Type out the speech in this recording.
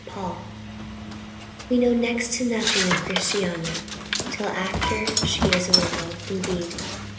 Paul. We know next to nothing of Christiana till after she is a widow indeed.